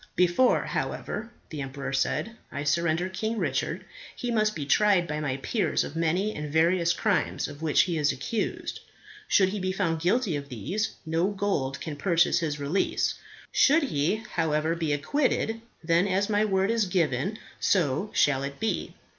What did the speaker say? "Before, however," the emperor said, "I surrender King Richard, he must be tried by my peers of many and various crimes of which he is accused. Should he be found guilty of these, no gold can purchase his release. Should he, however, be acquitted, then as my word is given so shall it be."